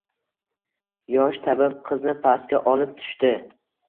yosh tabib qizni pastga olib tushdi